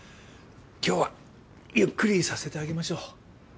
今日はゆっくりさせてあげましょう。